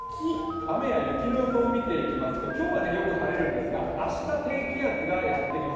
雨や雪の予想を見ていきますと今日はよく晴れるんですが明日低気圧がやってきます。